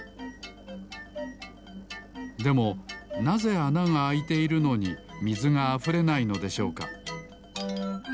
でもなぜあながあいているのにみずがあふれないのでしょうか？